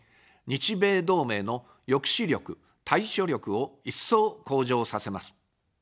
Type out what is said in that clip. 日米同盟の抑止力・対処力を一層向上させます。